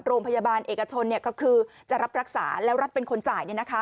โรงพยาบาลเอกชนก็คือจะรับรักษาแล้วรัฐเป็นคนจ่าย